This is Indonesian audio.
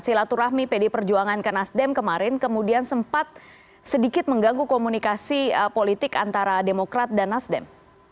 silaturahmi pd perjuangan ke nasdem kemarin kemudian sempat sedikit mengganggu komunikasi politik antara demokrat dan nasdem